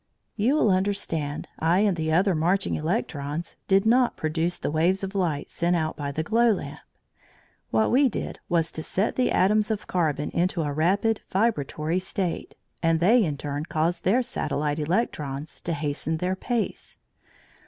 You will understand I and the other marching electrons did not produce the waves of light sent out by the glow lamp. What we did was to set the atoms of carbon into a rapid vibratory state, and they in turn caused their satellite electrons to hasten their pace.